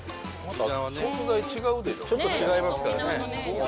ちょっと違いますからね。